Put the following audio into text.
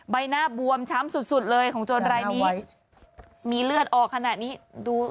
ใบหน้าบวมช้ำสุดสุดเลยของโจรรายนี้มีเลือดออกขนาดนี้ดู